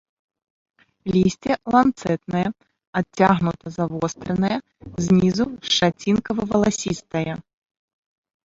Лісце ланцэтнае, адцягнута завостранае, знізу шчацінкава-валасістае.